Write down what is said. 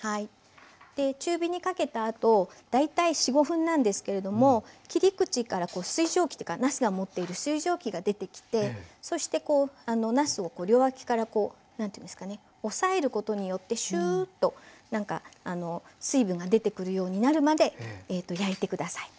中火にかけたあと大体４５分なんですけれども切り口からなすが持っている水蒸気が出てきてそしてなすを両脇からこう何ていうんですかね押さえることによってシューッと水分が出てくるようになるまで焼いて下さい。